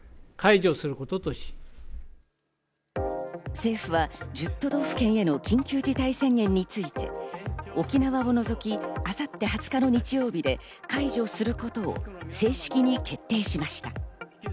政府は１０都道府県への緊急事態宣言について、沖縄を除き、明後日２０日の日曜日で解除することを正式に決定しました。